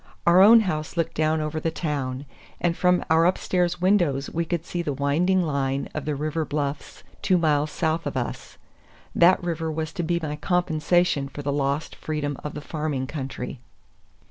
Our own house looked down over the town, and from our upstairs windows we could see the winding line of the river bluffs, two miles south of us. That river was to be my compensation for the lost freedom of the farming country.